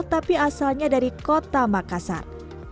tapi asalnya dari kota makassar